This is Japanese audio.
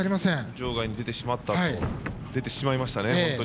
場外に出てしまいましたね。